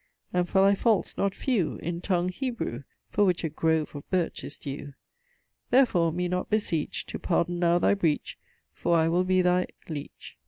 And for thy faults not few, In tongue Hebrew, For which a grove of birch is due. Therfore me not beseech To pardon now thy breech For I will be thy ... leech, ... leech.